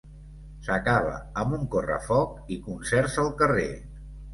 S'acaba amb un correfoc i concerts al carrer.